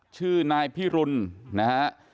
ชื่อนายพิรุณนะฮะ